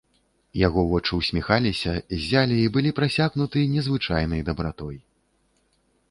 Яго вочы ўсміхаліся, ззялі і былі прасякнуты незвычайнай дабратой.